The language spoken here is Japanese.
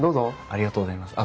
ありがとうございます。